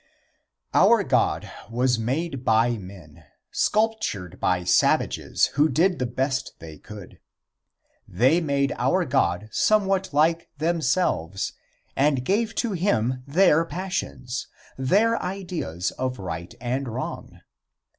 VIII. Our God was made by men, sculptured by savages who did the best they could. They made our God somewhat like themselves, and gave to him their passions, their ideas of right and wrong.